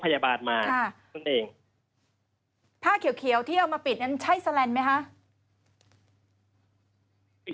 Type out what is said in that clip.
ครยอร์มาซับคร